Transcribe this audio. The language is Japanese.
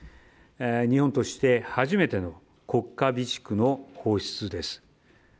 日本として初めての国家備蓄の放出です。